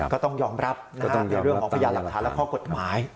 ก็ต้องยอมรับในเรื่องของพระยาศาสตร์หลักฐานและข้อกฎหมาย